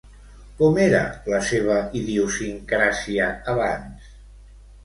Com era la seva idiosincràsia abans?